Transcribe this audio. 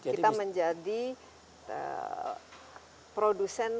kita menjadi produsen